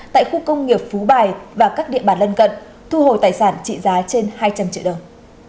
tại khu công nghiệp phú bài và các địa bàn lân cận thu hồi tài sản trị giá trên hai trăm linh triệu đồng